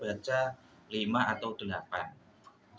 ada sedikit error di mana angka x itu terbaca lima atau delapan